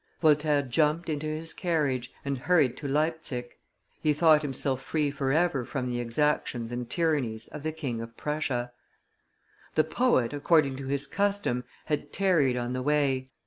Voltaire jumped into his carriage, and hurried to Leipsic; he thought himself free forever from the exactions and tyrannies of the King of Prussia. The poet, according to his custom, had tarried on the way.